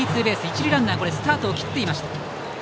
一塁ランナースタートを切っていました。